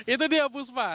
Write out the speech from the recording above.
itu dia puspa